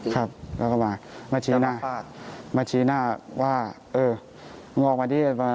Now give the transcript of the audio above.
เขาก็มามาชี้หน้าว่ามึงออกมานี่ให้ประมาณนั้น